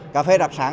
cà phê đặc sản